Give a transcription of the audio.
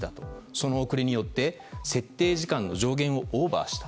その遅れによって設定時間の上限をオーバーした。